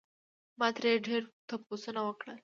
ما ترې ډېر تپوسونه وکړل